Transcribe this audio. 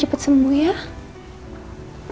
dia akan bisa menghentikan nino